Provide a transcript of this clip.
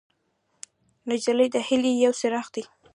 نجلۍ د هیلې یو څراغ دی.